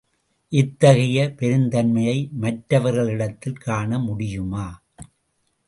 இத்தகைய பெருந்தன்மையை மற்றவர்களிடத்தில் காண முடியுமா?